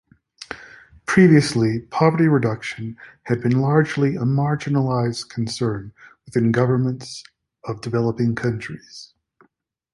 Previously, poverty reduction had been largely a marginalized concern within governments of developing countries.